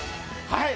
はい！